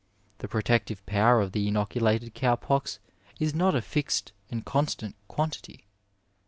The protective power of the inoculated cow pox is not a fixed and constant quantity.